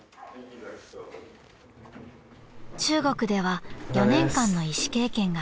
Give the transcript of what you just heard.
［中国では４年間の医師経験があります］